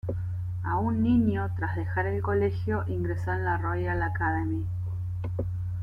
Aún niño, tras dejar el colegio ingresó en la Royal Academy.